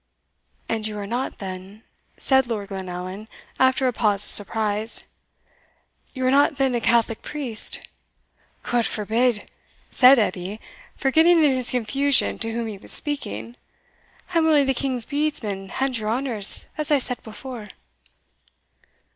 "And you are not then," said Lord Glenallan, after a pause of surprise "You are not then a Catholic priest?" "God forbid!" said Edie, forgetting in his confusion to whom he was speaking; "I am only the king's bedesman and your honour's, as I said before."